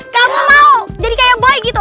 kamu mau jadi kayak baik gitu